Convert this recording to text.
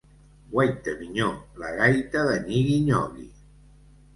Guaita, minyó, la gaita de nyigui-nyogui.